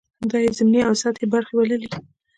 دا یې ضمني او سطحې برخې بللې.